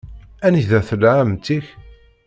Anida tella ɛemmti-k?